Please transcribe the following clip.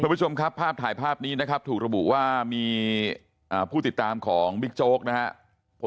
ผู้ชมครับภาพถ่ายภาพนี้นะครับถูกระบุว่ามีผู้ติดตามของบิ๊กโจ๊กนะครับ